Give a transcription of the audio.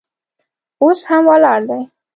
اوس هم ولاړ دی.